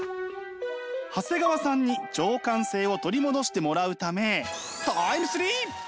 長谷川さんに情感性を取り戻してもらうためタイムスリップ！